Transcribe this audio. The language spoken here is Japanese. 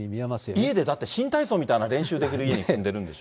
家でだって、新体操みたいな練習できる家に住んでるんでしょ。